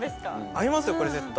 合いますよこれ絶対。